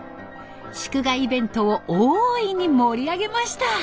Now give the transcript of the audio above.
祝賀イベントを大いに盛り上げました。